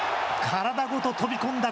体ごと飛び込んだ